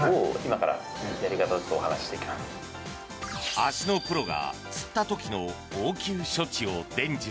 足のプロがつった時の応急処置を伝授。